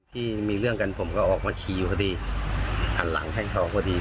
ที่มีเรื่องกันผมก็ออกมาขี่อยู่พอดีหันหลังแท่งทองพอดี